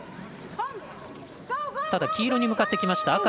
ただ、黄色に向かってきました。